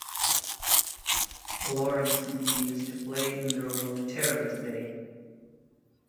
Lawrence continues to play in the role of Terry today.